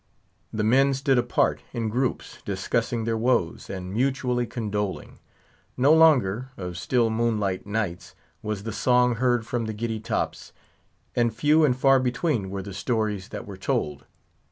The men stood apart, in groups, discussing their woes, and mutually condoling. No longer, of still moonlight nights, was the song heard from the giddy tops; and few and far between were the stories that were told.